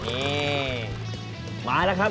นี่มาแล้วครับ